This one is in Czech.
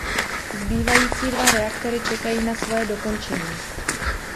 Zbývající dva reaktory čekají na svoje dokončení.